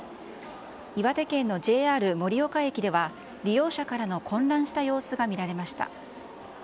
岩手県のＪＲ盛岡駅では、利用者からの混乱した様子が見られました。